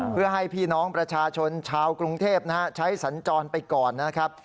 เพื่อให้พี่น้องประชาชนชาวกรุงเทพใช้สัญจรไปก่อนนะครับ